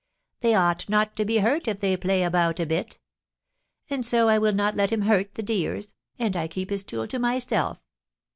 They ought not to be hurt if they play about a bit; and so I will not let him hurt the dears, and I keep his tool to myself.